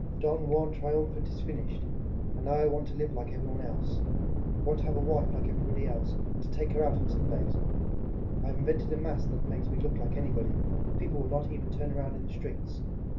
Don Juan Triumphant is finished; and now I want to live like everybody else. I want to have a wife like everybody else and to take her out on Sundays. I have invented a mask that makes me look like anybody. People will not even turn round in the streets.